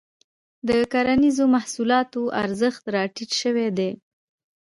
د کرنیزو محصولاتو ارزښت راټيټ شوی دی.